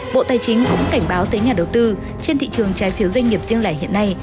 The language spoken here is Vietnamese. bộ tài chính cũng cảnh báo tới nhà đầu tư trên thị trường trái phiếu doanh nghiệp riêng lẻ hiện nay